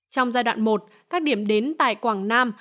trong giai đoạn một các điểm đến tại quảng nam